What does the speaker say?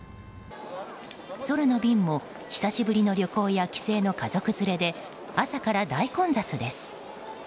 空の便も久しぶりの旅行や帰省の家族連れで朝から大混雑です。